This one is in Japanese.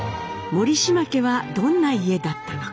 森嶋家はどんな家だったのか？